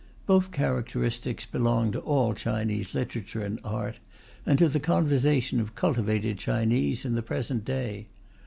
Both characteristics belong to all Chinese literature and art, and to the conversation of cultivated Chinese in the present day.